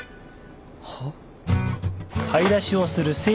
はっ？